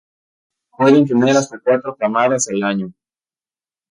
Pueden tener hasta cuatro camadas al año.